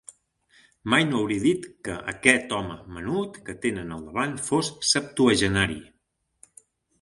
Mai no hauria dit que aquest home menut que tenen al davant fos septuagenari.